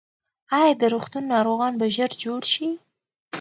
ایا د روغتون ناروغان به ژر جوړ شي؟